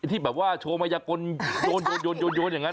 ที่แบบว่าโชว์มายากลโยนอย่างนั้น